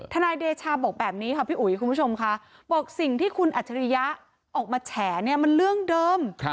นายเดชาบอกแบบนี้ค่ะพี่อุ๋ยคุณผู้ชมค่ะบอกสิ่งที่คุณอัจฉริยะออกมาแฉเนี่ยมันเรื่องเดิม